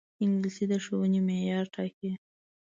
انګلیسي د ښوونې معیار ټاکي